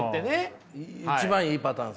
一番いいパターンですね。